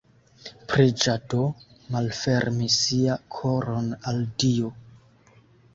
Preĝado: malfermi sia koron al Dio.